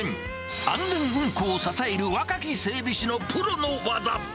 安全運行を支える若き整備士のプロの技。